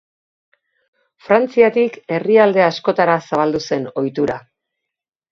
Frantziatik herrialde askotara zabaldu zen ohitura.